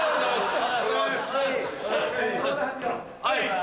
はい！